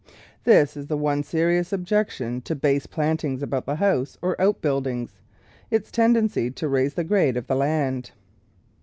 This is the one seri ous objection to " base plantings " about the house or outbuildings — its tendency to raise the grade of the land.